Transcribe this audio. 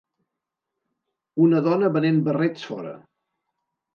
Una dona venent barrets fora.